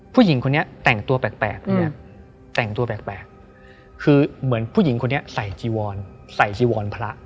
ผู้หญิงคนนี้แต่งตัวแปลกแต่งตัวแปลกคือเหมือนผู้หญิงคนนี้ใส่จีวอนใส่จีวรพระ